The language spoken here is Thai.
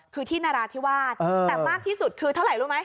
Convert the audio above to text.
คือที่นราธิวาสแต่มากที่สุดคือเท่าไหร่รู้ไหม